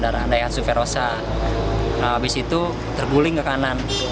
lalu saya berangkat ke kanan